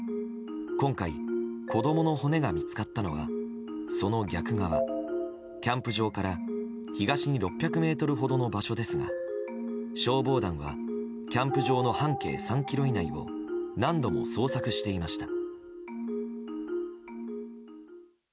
今回、子供の骨が見つかったのはその逆側、キャンプ場から東に６００ｍほどの場所ですが消防団はキャンプ場の半径３ｋｍ以内を何度も捜索していました。